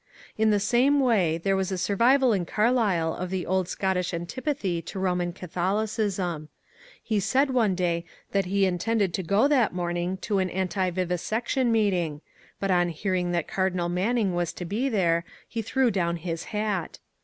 In the same way there was a survival in Carlyle of the old Scottish antipathy to Roman Catholicism. He said one day that he had intended to go that morning to an anti vivisection meeting, but on hearing that Cardinal Manning was to be there he threw down his hat.